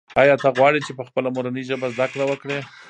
آیا ته غواړې چې په خپله مورنۍ ژبه زده کړه وکړې؟